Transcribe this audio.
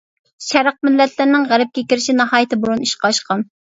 شەرق مىللەتلىرىنىڭ غەربكە كىرىشى ناھايىتى بۇرۇن ئىشقا ئاشقان.